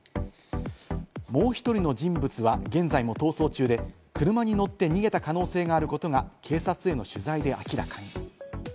もう１人の人物は現在も逃走中で、車に乗って逃げた可能性があることが警察への取材で明らかに。